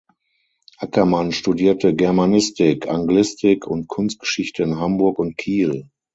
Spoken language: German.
Ackermann studierte Germanistik, Anglistik und Kunstgeschichte in Hamburg und Kiel.